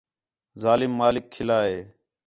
ظالم مالک کِھلّا ہِے